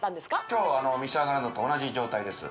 今日召し上がるのと同じ状態です